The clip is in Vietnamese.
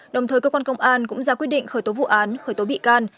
đồng thời cơ quan công an cũng ra quyết định khởi tố vụ án khởi tố bị can